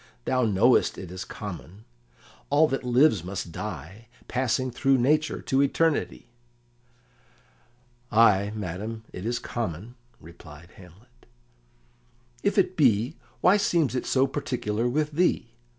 "Thou knowest it is common; all that lives must die, passing through nature to eternity." "Ay, madam, it is common," replied Hamlet. "If it be, why seems it so particular with thee?"